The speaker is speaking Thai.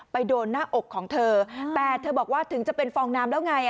โดนหน้าอกของเธอแต่เธอบอกว่าถึงจะเป็นฟองน้ำแล้วไง